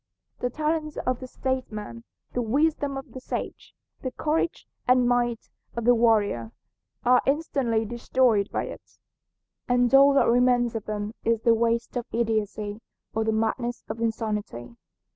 The talents of the statesman, the wisdom of the sage, the courage and might of the warrior, are instantly destroyed by it, and all that remains of them is the waste of idiocy or the madness of insanity.